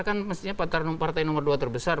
kan mestinya partai nomor dua terbesar